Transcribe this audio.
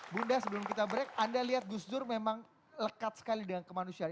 bunda sebelum kita break anda lihat gus dur memang lekat sekali dengan kemanusiaan